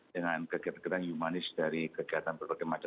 dengan kegiatan kegiatan humanis dari kegiatan berbagai macam